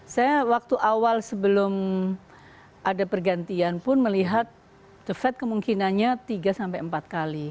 saya waktu awal sebelum ada pergantian pun melihat the fed kemungkinannya tiga sampai empat kali